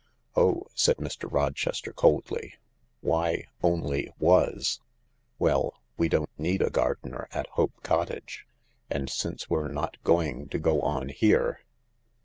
"Oh," said Mr. Rochester coldly; "why only 'was '?" "Well — we don't need a gardener at Hope Cottage, and since we're not going to go on here